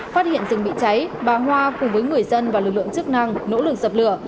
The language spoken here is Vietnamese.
phát hiện rừng bị cháy bà hoa cùng với người dân và lực lượng chức năng nỗ lực dập lửa